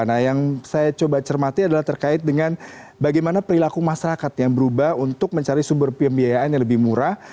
nah yang saya coba cermati adalah terkait dengan bagaimana perilaku masyarakat yang berubah untuk mencari sumber pembiayaan yang lebih murah